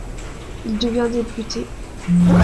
Il devient député.